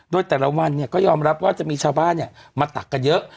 โดยแต่ละวันก็ยอมรับว่าจะมีชาวบ้านมาตักกันเยอะ